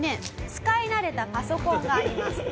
使い慣れたパソコンがあります。